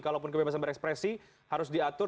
kalaupun kebebasan berekspresi harus diatur